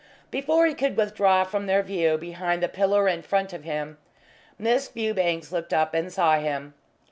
Before he could withdraw from their view behind the pillar in front of him, Miss Fewbanks looked up and saw him.